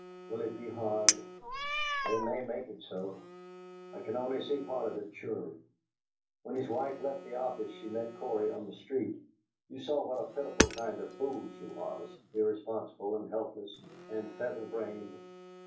"Will it be hard?" "They may make it so. I can only see part of it surely. When his wife left the office, she met Cory on the street. You saw what a pitiful kind of fool she was, irresponsible and helpless and feather brained.